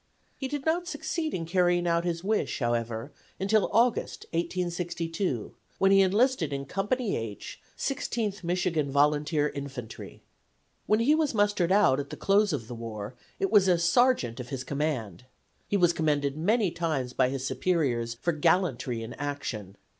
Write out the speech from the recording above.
He did not succeed in carrying out his wish, however, until August, 1862, when he enlisted in Company H, Sixteenth Michigan Volunteer Infantry. When he was mustered out at the close of the war it was as sergeant of his command. He was commended many times by his superiors for gallantry in action.